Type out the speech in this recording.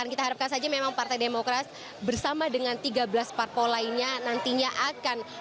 kita harapkan saja memang partai demokrat bersama dengan tiga belas parpol lainnya nantinya akan